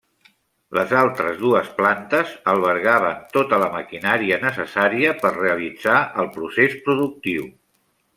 Les altres dues plantes albergaven tota la maquinària necessària per realitzar el procés productiu.